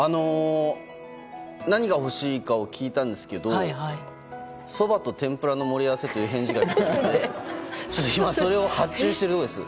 何が欲しいかを聞いたんですけどそばと天ぷらの盛り合わせという返事が来てそれを今、発注しているところです。